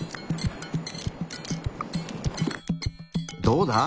どうだ？